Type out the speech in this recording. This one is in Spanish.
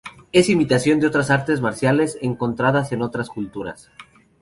No es imitación de otras artes marciales encontradas en otras culturas.